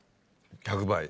１００倍。